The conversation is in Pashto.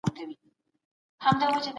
که سياسي بنسټونه جوړ سي عامه ګټي خوندي کېږي.